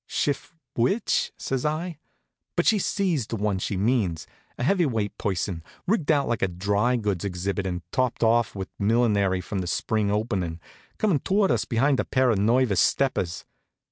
"Shiff which?" says I. But I sees the one she means a heavy weight person, rigged out like a dry goods exhibit and topped off with millinery from the spring openin', coming toward us behind a pair of nervous steppers.